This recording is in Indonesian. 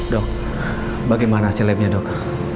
dok bagaimana hasil lab nya dok